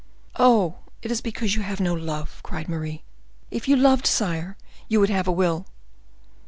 "Oh! it is because you have no love," cried Mary; "if you loved, sire, you would have a will."